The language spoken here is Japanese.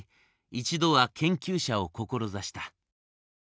一度は研究者を志した。